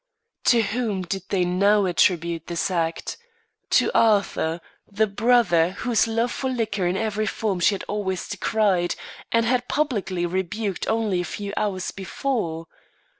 To whom did they now attribute this act? To Arthur, the brother whose love for liquor in every form she had always decried, and had publicly rebuked only a few hours before?